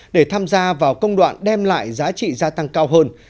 để tham gia vào công đoạn đem lại giá trị gia tăng cao hơn